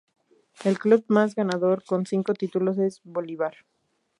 El club más ganador, con cinco títulos, es Bolívar.